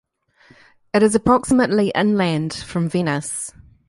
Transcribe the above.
It is approximately inland from Venice.